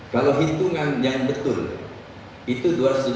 kalau hitungan yang betul itu dua ratus tujuh puluh